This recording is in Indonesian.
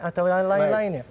atau lain lain ya